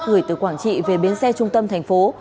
gửi từ quảng trị về biến xe trung tâm thành phố